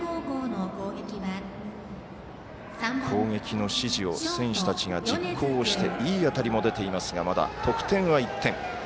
攻撃の指示を選手たちが実行していい当たりも出ていますがまだ得点は１点。